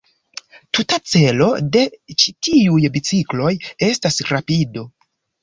Tuta celo de ĉi tiuj bicikloj estas rapido.